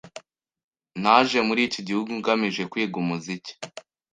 Naje muri iki gihugu ngamije kwiga umuziki.